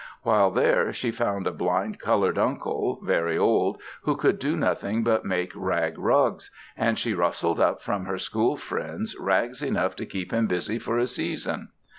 While there she found a blind colored uncle, very old, who could do nothing but make rag rugs, and she rustled up from her school friends rags enough to keep him busy for a season.